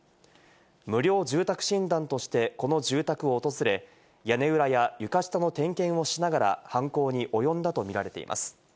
無料住宅診断として、この住宅を訪れ、屋根裏や床下の点検をしながら犯行に及んだとみられています。